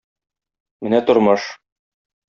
Менә тормыш!!